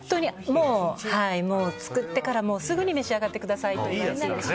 作ってからすぐに召し上がってくださいといわれている品。